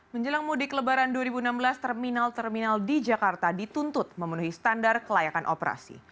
menjelang mudik lebaran dua ribu enam belas terminal terminal di jakarta dituntut memenuhi standar kelayakan operasi